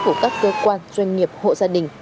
của các cơ quan doanh nghiệp hộ gia đình